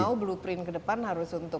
kalau tidak mau blueprint ke depan harus untuk